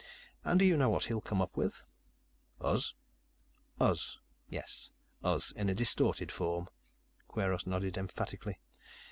And do you know what he'll come up with?" "Us?" "Us, yes. Us, in a distorted form." Kweiros nodded emphatically.